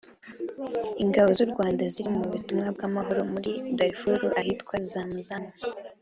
Ingabo z’u Rwanda ziri mu butumwa bw’amahoro muri Darfur ahitwa Zamzam